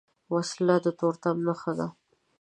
وسله د تورتم نښه ده